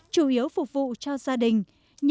chủ yếu phục vụ cho gia đình